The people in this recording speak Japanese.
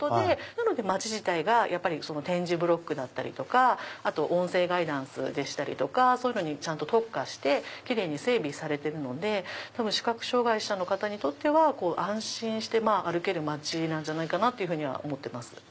なので街自体が点字ブロックだったりとかあと音声ガイダンスでしたりとかそういうのに特化して奇麗に整備されてるので多分視覚障害者の方にとっては安心して歩ける街じゃないかなと思ってます。